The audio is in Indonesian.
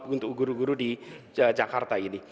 untuk guru guru di jakarta ini